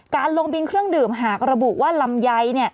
การลงบินเครื่องดื่มหากระบุว่าลำไย